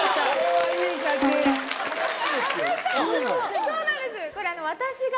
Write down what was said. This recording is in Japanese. そうなんですこれ。